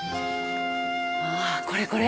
ああこれこれ。